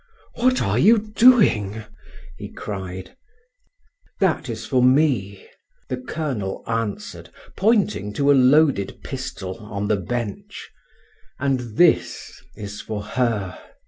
"What are you doing?" he cried. "That is for me," the colonel answered, pointing to a loaded pistol on the bench, "and this is for her!"